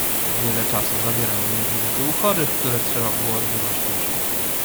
"Wiele czasu zabierały mu wizyty u chorych, które trzeba było odbywać pieszo."